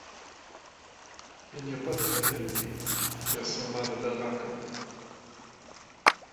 Il n’y a pas de fatalité, il y a seulement de belles rencontres.